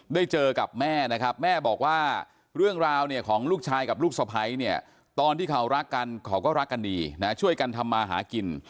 ได้เจอกับแม่นะครับแม่บอกว่าเรื่องราวเนี่ยของลูกชายกับลูกสะพ้ายเนี่ยตอนที่เขารักกันเขาก็รักกันดีนะช่วยกันทำมาหากิน